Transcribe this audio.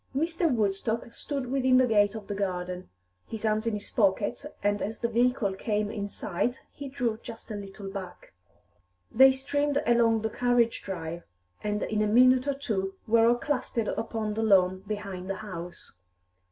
Mr. Woodstock stood within the gate of the garden, his hands in his pockets, and as the vehicle came in sight he drew just a little back. They streamed along the carriage drive, and in a minute or two were all clustered upon the lawn behind the house.